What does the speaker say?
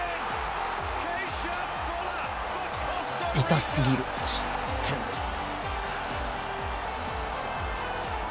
痛すぎる失点です。